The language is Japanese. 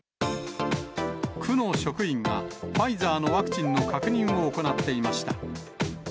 区の職員がファイザーのワクチンの確認を行っていました。